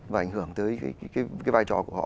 và ảnh hưởng tới cái vai trò của họ